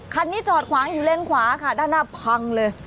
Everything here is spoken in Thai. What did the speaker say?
คันนี้จอดขวางอยู่เลนขวาค่ะด้านหน้าพังเลย